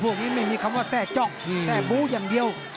พวกนี้ไม่มีคำว่าแทร่จ้องแทร่บู้อย่างเดียว